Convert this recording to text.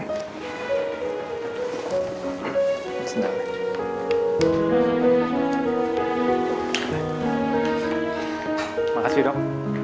terima kasih dok